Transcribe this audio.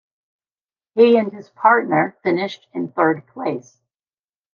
He and his partner finished in third place.